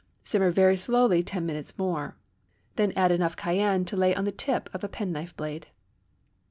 Simmer very slowly ten minutes more; then add enough cayenne to lay on the tip of a penknife blade.